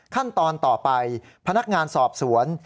ขั้นตอนต่อไปพนักงานสอบสวน